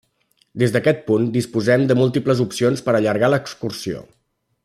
Des d'aquest punt, disposem de múltiples opcions per a allargar l'excursió.